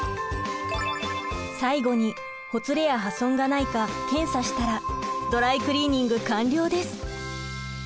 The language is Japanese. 最後にほつれや破損がないか検査したらドライクリーニング完了です。